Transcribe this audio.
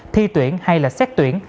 thi tuyển hay là xét tuyển